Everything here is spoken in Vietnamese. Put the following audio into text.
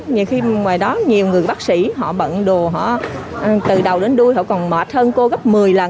nhiều khi ngoài đó nhiều người bác sĩ họ bận đồ họ từ đầu đến đuôi họ còn mệt hơn cô gấp một mươi lần